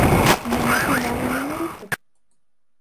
Яна падала яму руку.